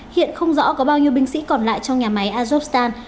hiện không rõ có bao nhiêu binh sĩ còn lại trong nhà máy azokstan